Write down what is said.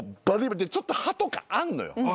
ちょっと歯とかあんのよ。